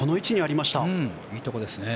いいところですね。